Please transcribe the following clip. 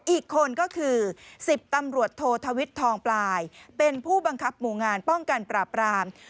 อีกคนก็คือ๑๐ตำรวจโทษธวิทย์ทองปลายเป็นผู้บังคับหมู่งานป้องกันปราบราม